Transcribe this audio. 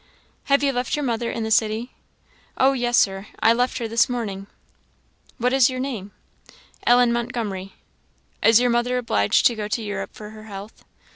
"Have you left your mother in the city?" "Oh yes, Sir! I left her this morning." "What is your name?" "Ellen Montgomery." "Is your mother obliged to go to Europe for her health?"